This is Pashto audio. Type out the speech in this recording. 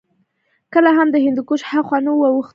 کله هم د هندوکش هاخوا نه وو اوښتي